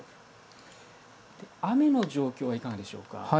雨の状況はいかがでしょうか。